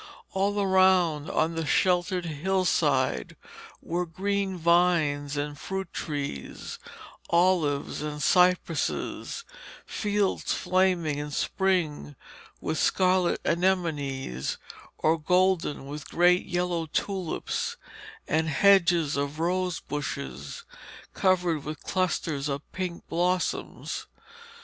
All around on the sheltered hillside were green vines and fruit trees, olives and cypresses, fields flaming in spring with scarlet anemones or golden with great yellow tulips, and hedges of rose bushes covered with clusters of pink blossoms.